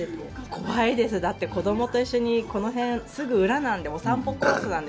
怖いです、だって子どもと一緒にこの辺、すぐ裏なんで、お散歩コースなんで。